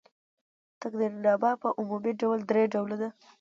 تقدیرنامه په عمومي ډول درې ډوله ده.